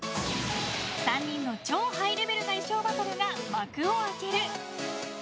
３人の超ハイレベルな衣装バトルが幕を開ける。